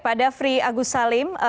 pak dafri agus salim